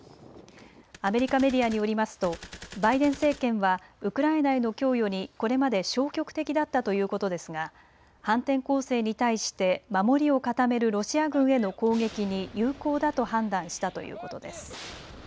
アメリカメディアによりますとバイデン政権はウクライナへの供与にこれまで消極的だったということですが反転攻勢に対して守りを固めるロシア軍への攻撃に有効だと判断したということです。